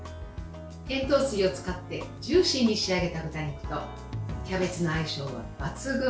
塩糖水を使ってジューシーに仕上げた豚肉とキャベツの相性が抜群。